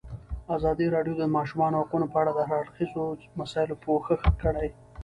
ازادي راډیو د د ماشومانو حقونه په اړه د هر اړخیزو مسایلو پوښښ کړی.